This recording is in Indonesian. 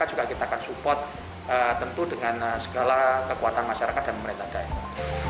juga kita akan support tentu dengan segala kekuatan masyarakat dan pemerintah daerah